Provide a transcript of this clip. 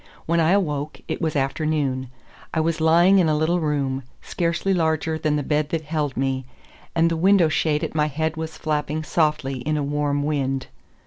When I awoke, it was afternoon. I was lying in a little room, scarcely larger than the bed that held me, and the window shade at my head was flapping softly in a warm wind.